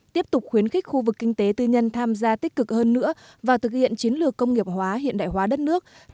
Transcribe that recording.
tiếp tục khuyến khích khu vực kinh tế tư nhân tham gia tích cực hơn nữa vào thực hiện chiến lược công nghiệp hóa hiện đại hóa đất nước